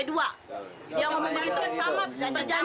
dia ngomong begitu sama perjanjian